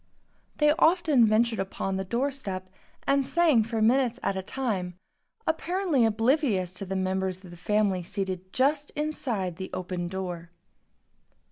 They often ventured upon the door step and sang for minutes at a time, apparently oblivious of the members of the family seated just inside the open door.